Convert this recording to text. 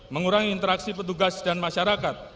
mengurangi interaksi petugas dan masyarakat